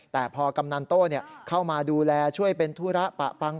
แต่พอกำนันโต้เข้ามาดูแลช่วยเป็นธุระปะปัง